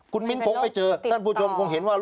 คุณมิ้นตกไม่เจอด้านผู้ชมคงเห็นว่าวรรณโลกติดต่อ